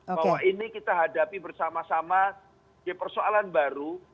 bahwa ini kita hadapi bersama sama di persoalan baru